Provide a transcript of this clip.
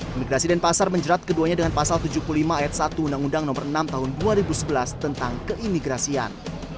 imigrasi denpasar menjerat keduanya dengan pasal tujuh puluh lima ayat satu undang undang nomor enam tahun dua ribu sebelas tentang keimigrasian